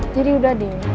jadi udah deh